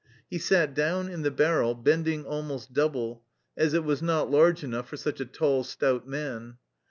He sat down in the barrel, bend ing almost double, as it was not large enough for such a tall, stout man.